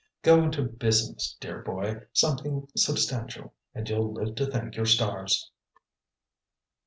Go into business, dear boy, something substantial, and you'll live to thank your stars."